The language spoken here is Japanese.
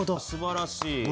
すばらしい。